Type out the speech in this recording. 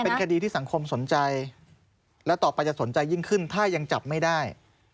เป็นคดีที่สังคมสนใจและต่อไปจะสนใจยิ่งขึ้นถ้ายังจับไม่ได้